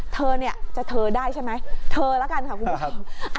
เธอจะเธอได้ใช่ไหมเธอละกันค่ะคุณผู้ชม